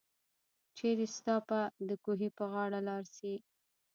چيري ستاه به دکوهي په غاړه لار شي